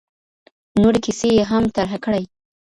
نورې کیسې یې هم طرحه کړې.